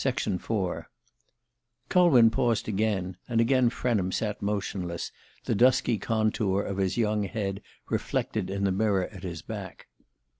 IV CULWIN paused again, and again Frenham sat motionless, the dusky contour of his young head reflected in the mirror at his back.